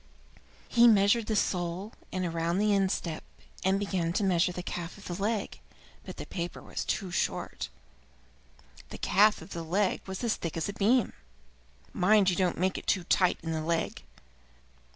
He measured the sole, and round the instep, and began to measure the calf of the leg, but the paper was too short. The calf of the leg was as thick as a beam. "Mind you don't make it too tight in the leg."